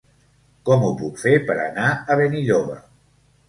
Com ho puc fer per anar a Benilloba?